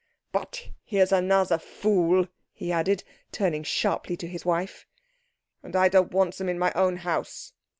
But here's another fool," he added, turning sharply to his wife, "and I don't want them in my own house."